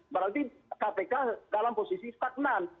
berarti kpk dalam posisi stagnan